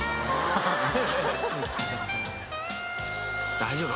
［大丈夫か？